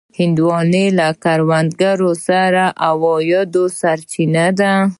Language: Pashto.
هندوانه له کروندګرو سره د عوایدو سرچینه ده.